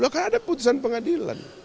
loh kan ada putusan pengadilan